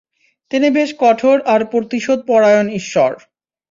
তিনি বেশ কঠোর আর প্রতিশোধপরায়ণ ঈশ্বর!